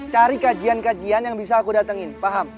cari kajian kajian yang bisa aku datangin paham